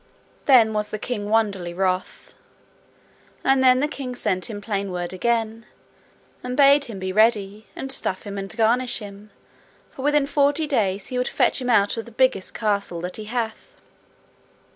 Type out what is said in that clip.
Then was the king wonderly wroth. And then the king sent him plain word again, and bade him be ready and stuff him and garnish him, for within forty days he would fetch him out of the biggest castle that he hath.